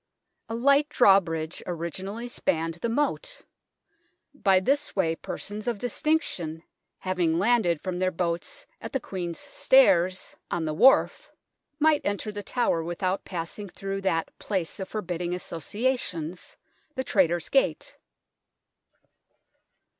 A light draw bridge originally spanned the moat. By this way persons of distinction, having landed from their boats at the Queen's Stairs on the 150 THE TOWER OF LONDON wharf, might enter The Tower without passing through that place of forbidding associations, the Traitors' Gate.